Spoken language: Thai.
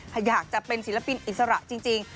ถ้าอยากจะเป็นศิลปินอิสระจริง